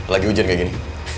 lagi hujan kayak gini